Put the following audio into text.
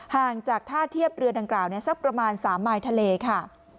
ห่างจากท่าเทียบเรือดังกล่าวสักประมาณ๓มายทะเลค่ะ